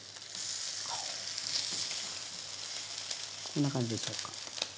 こんな感じでしょうか。